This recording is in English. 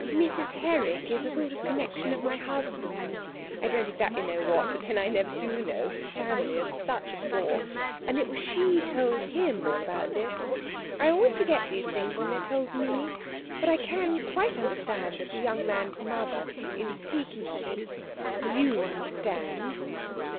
"Mrs. Herrick is a sort of connexion of my husband's (I don't exactly know what; but then, I never do know family is such a bore), and it was she told him all about this. I always forget these things when they're told me. But I can quite understand that the young man's mother, in speaking of it ... you understand?..."